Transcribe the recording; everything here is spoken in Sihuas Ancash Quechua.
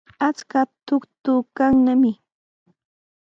Akshuqa tuktuykannami.